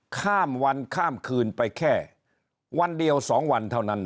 ข้ามวันข้ามคืนไปแค่วันเดียว๒วันเท่านั้น